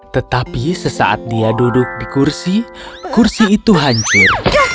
tetapi sesaat dia duduk di kursi kursi itu hancur